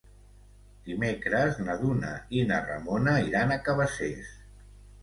Dimecres na Duna i na Ramona iran a Cabacés.